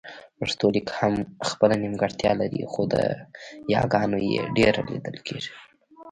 پښتو لیک هم خپله نيمګړتیا لري خو د یاګانو يې ډېره لیدل کېږي